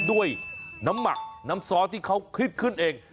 ด้วยน้ำหมักน้ำซอสที่เขาคิดขึ้นเอง